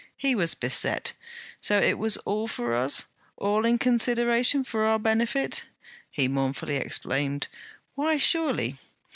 He was beset: 'So it was all for us? all in consideration for our benefit?' He mournfully exclaimed: 'Why, surely!'